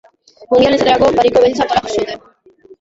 Mungian, esaterako, Bariko Beltza antolatu zuten.